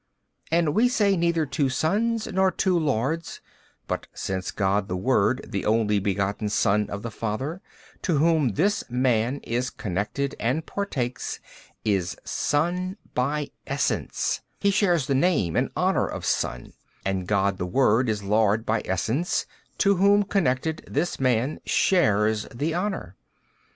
And we say neither two sons nor two lords: but since God the Word the Only Begotten Son of the Father, to Whom this man is connected and partakes, is Son by Essence, he shares the name and honour of Son: and God the Word is Lord by Essence, to Whom connected, this man shares the honour.